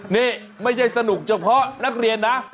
นี่ไม่ใช่สนุกเฉพาะนักเรียนนะ